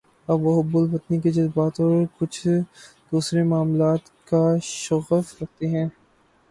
اب وہ حب الوطنی کے جذبات اور کچھ دوسرے معاملات کا شغف رکھتے ہیں۔